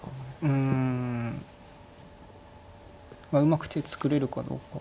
うんまあうまく手作れるかどうか。